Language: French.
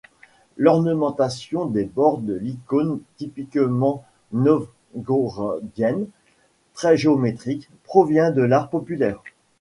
L'ornementation des bords de l'icône typiquement novgorodienne, très géométrique, provient de l'art populaire.